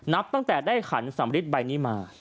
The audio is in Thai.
นับตั้งแต่ได้ขันสัมฤทธิ์ใบมา